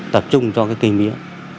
tập trung cho cái cây mía